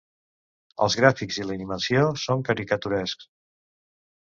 Els gràfics i l'animació són caricaturescs.